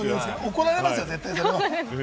怒られますよ、絶対。